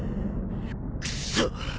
くそっ！